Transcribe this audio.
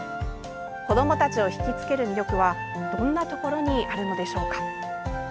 子どもたちをひきつける魅力はどんなところにあるのでしょうか。